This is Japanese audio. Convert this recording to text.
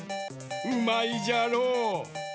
うまいじゃろ？